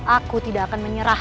aku tidak akan menyerah